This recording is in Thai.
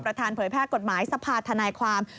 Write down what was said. ประธานเผยแพร่กฎหมายสภาษณ์ธนายความ